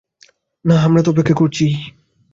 না, আমরা তো অপেক্ষা করছিই।